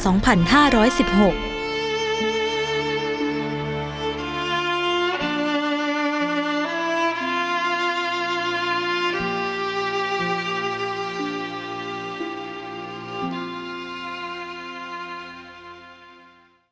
โปรดติดตามตอนต่อไป